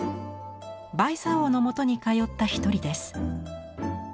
売茶翁のもとに通った一人です。